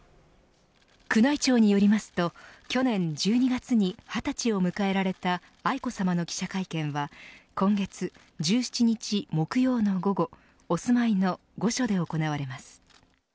宮内庁によりますと去年１２月に二十歳を迎えられた愛子さまの記者会見は今月１７日、木曜の午後お住まいの御所で行われます。